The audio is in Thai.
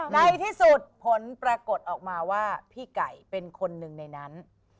ในที่สุดผลปรากฏออกมาว่าพี่ไก่เป็นคนหนึ่งในนั้น